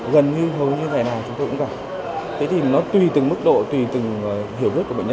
gần như hầu như ngày nào chúng tôi cũng gặp thế thì nó tùy từng mức độ tùy từng hiểu biết của bệnh nhân